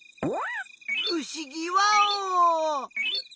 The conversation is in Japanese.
ふしぎワオ！